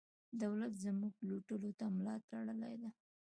دولت زموږ لوټلو ته ملا تړلې ده.